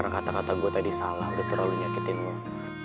kata kata gua tadi salah udah terlalu nyakitin gua